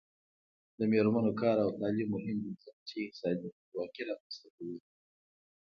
د میرمنو کار او تعلیم مهم دی ځکه چې اقتصادي خپلواکي رامنځته کوي.